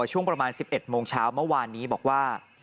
ช่วงประมาณ๑๑โมงเช้าเมื่อวานนี้บอกว่า